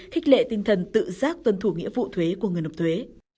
khích lệ tinh thần tự giác tuân thủ nghĩa vụ thuế của người nộp thuế